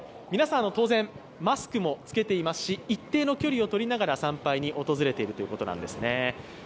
皆さん、当然マスクも着けていますし、一定の距離をとりながら、参拝に訪れているということなんです。